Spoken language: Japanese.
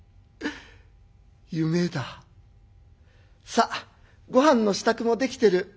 「さあごはんの支度もできてる。